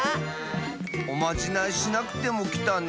おまじないしなくてもきたね。